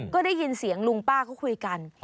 ก็ได้ยินเสียงลุงป้าเขาคุยกัน